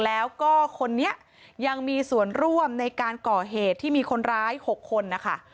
แล้วก็คนนี้ยังมีส่วนร่วมในการก่อเหตุที่มีคนร้าย๖คนนะคะ